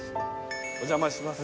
お邪魔します